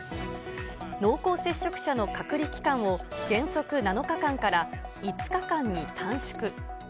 濃厚接触者の隔離期間を、原則７日間から５日間に短縮。